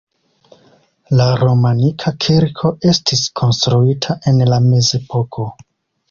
La romanika kirko estis konstruita en la mezepoko.